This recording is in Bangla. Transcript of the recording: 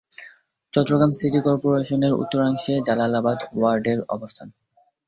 চট্টগ্রাম সিটি কর্পোরেশনের উত্তরাংশে জালালাবাদ ওয়ার্ডের অবস্থান।